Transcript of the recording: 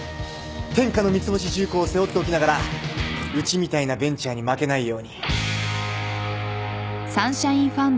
天下の三ツ星重工を背負っておきながらうちみたいなベンチャーに負けないように。